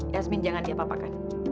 yasmin jangan diapapakan